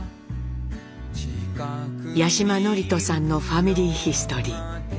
八嶋智人さんのファミリーヒストリー。